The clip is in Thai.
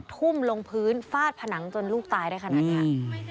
ทุ่มลงพื้นฟาดผนังจนลูกตายได้ขนาดนี้